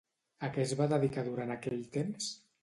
A què es va dedicar durant aquell temps?